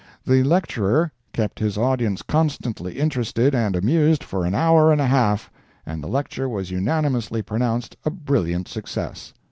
The lecturer kept his audience constantly interested and amused for an hour and a half and the lecture was unanimously pronounced a brilliant success.